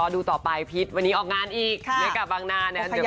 ใจแข็งแกร่งมาก